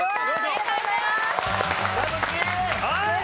ありがとうございます。